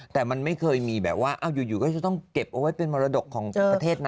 แต่มันไม่เคยมีแบบว่าอยู่ก็จะต้องเก็บเอาไว้เป็นมรดกของประเทศนะ